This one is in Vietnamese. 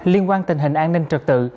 liên quan tình hình an ninh trật tự